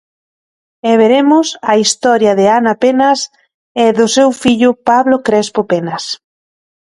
E veremos a historia de Ana Penas e do seu fillo Pablo Crespo Penas.